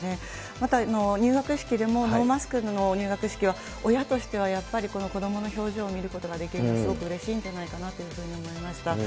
また、入学式でも、ノーマスクの入学式は、親としてはやっぱり、こどもの表情を見ることができるのは、すごくうれしいんじゃないかなというふうに思いました。